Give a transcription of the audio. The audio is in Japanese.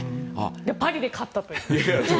で、パリで勝ったという。